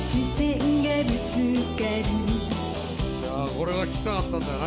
これが聴きたかったんだよな